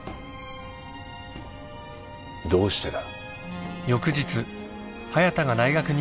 どうしてだ？